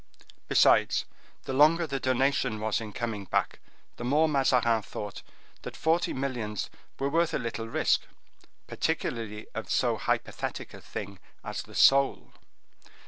Besides, the longer the donation was in coming back, the more Mazarin thought that forty millions were worth a little risk, particularly of so hypothetic a thing as the soul.